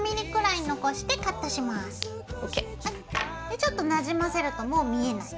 ＯＫ！でちょっとなじませるともう見えない。